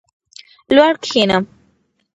لوړ کښېنم.